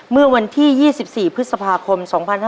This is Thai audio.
เมื่อวันที่๒๔พฤษภาคม๒๕๕๙